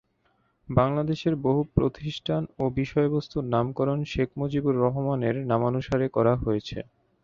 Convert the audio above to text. বাংলাদেশের বহু প্রতিষ্ঠান ও বিষয়বস্তুর নামকরণ শেখ মুজিবুর রহমানের নামানুসারে করা হয়েছে।